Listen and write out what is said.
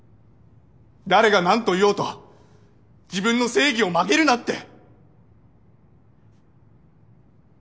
誰がなんといおうと自分の正義を曲げるなって。